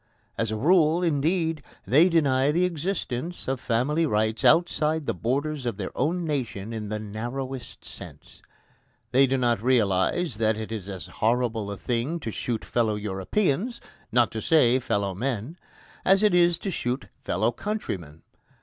As a rule, indeed, they deny the existence of family rights outside the borders of their own nation in the narrowest sense. They do not realise that it is as horrible a thing to shoot fellow Europeans not to say, fellow men as it is to shoot fellow countrymen.